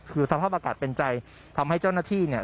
คือสภาพอากาศเป็นใจทำให้เจ้าหน้าที่เนี่ย